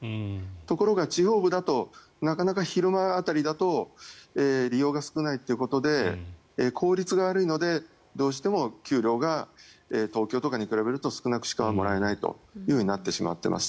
ところが地方部だとなかなか昼間辺りだと利用が少ないということで効率が悪いのでどうしても給料が東京とかに比べると少なくしかもらえないというふうになってしまっています。